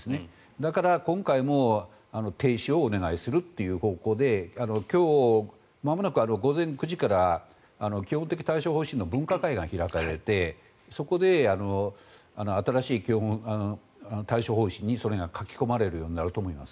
だから今回も停止をお願いするという方向で今日まもなく午前９時から基本的対処方針の分科会が開かれてそこで新しい対処方針にそれが書き込まれることになると思います。